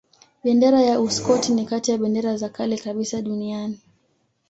Bendera ya Uskoti ni kati ya bendera za kale kabisa duniani.